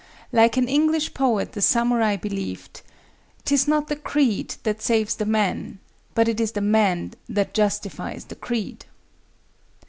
Like an English poet the samurai believed "'tis not the creed that saves the man; but it is the man that justifies the creed."